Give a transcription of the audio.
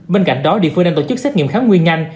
bên cạnh đó địa phương đang tổ chức xét nghiệm khám nguyên ngăn